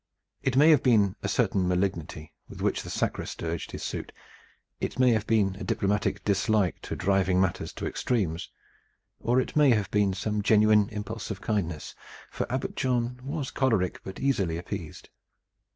It may have been a certain malignity with which the sacrist urged his suit, it may have been a diplomatic dislike to driving matters to extremes, or it may have been some genuine impulse of kindliness, for Abbot John was choleric but easily appeased.